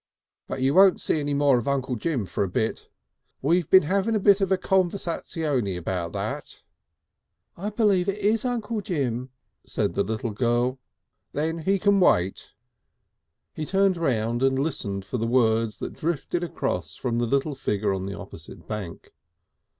But you won't see any more of Uncle Jim for a bit. We've been having a conversazione about that." "I believe it is Uncle Jim," said the little girl. "Then he can wait," said Mr. Polly shortly. He turned round and listened for the words that drifted across from the little figure on the opposite bank.